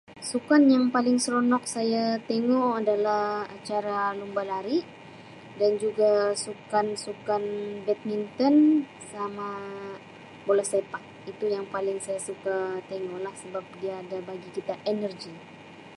"Sukan yang paling seronok saya tengok adalah acara lumba lari dan juga sukan-sukan badminton sama bola sepak itu yang paling saya suka tengoklah sebab dia ada bagi kita ""energy""."